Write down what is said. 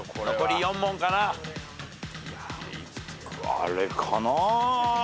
あれかな？